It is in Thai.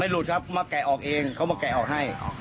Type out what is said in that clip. หลุดครับมาแกะออกเองเขามาแกะออกให้